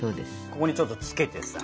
ここにちょっとつけてさ。